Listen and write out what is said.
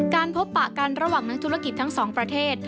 พบปะกันระหว่างนักธุรกิจทั้งสองประเทศ